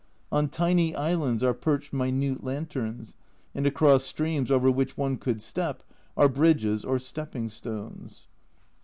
On tiny islands are perched minute lanterns, and across streams over which one could step are bridges or stepping stones.